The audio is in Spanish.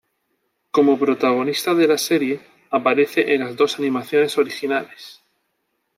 Como protagonista de la serie, aparece en las dos animaciones originales.